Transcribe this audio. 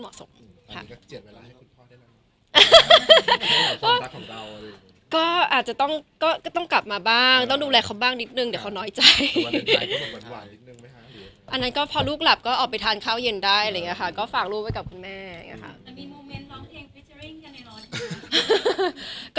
อาจจะต้องกลับมาสามารถดูแลเขาได้แต่ข้ากลับถึงเมื่อกั้นมีฝากของลูก